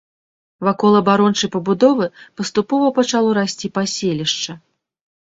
Вакол абарончай пабудовы паступова пачало расці паселішча.